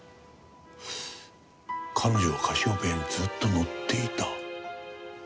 彼女はカシオペアにずっと乗っていた。